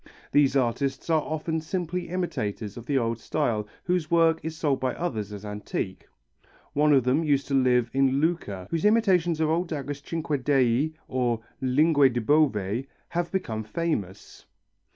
These artists are often simply imitators of the old style whose work is sold by others as antique. One of them used to live in Lucca whose imitations of old daggers cinquedee or lingue di bove have become famous.